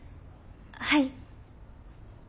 はい。